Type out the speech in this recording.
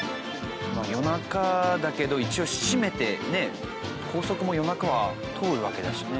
夜中だけど一応閉めてね高速も夜中は通るわけだしね。